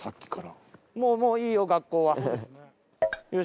もういいよ学校は。